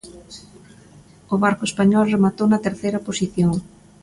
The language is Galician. O barco español rematou na terceira posición.